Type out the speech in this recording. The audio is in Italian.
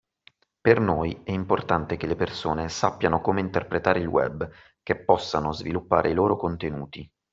Per noi è importante che le persone sappiano come interpretare il web, che possano sviluppare i loro contenuti